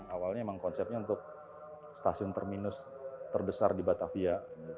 awalnya emang konsepnya untuk stasiun terminus terbesar di batavia